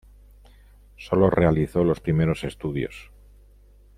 Sólo realizó los primeros estudios.